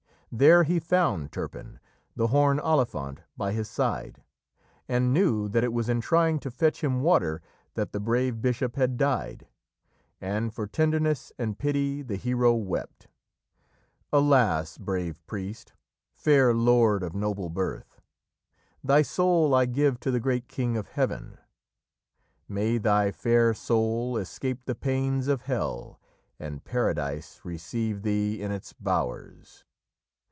There he found Turpin, the horn Olifant by his side, and knew that it was in trying to fetch him water that the brave bishop had died, and for tenderness and pity the hero wept. "Alas! brave priest, fair lord of noble birth, Thy soul I give to the great King of Heaven! May thy fair soul escape the pains of Hell, And Paradise receive thee in its bowers!"